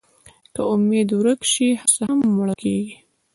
که امېد ورک شي، هڅه هم مړه کېږي.